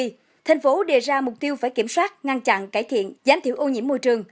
tuy nhiên tp hcm đề ra mục tiêu phải kiểm soát ngăn chặn cải thiện giảm thiểu ô nhiễm môi trường